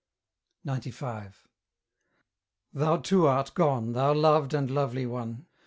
XCV. Thou too art gone, thou loved and lovely one!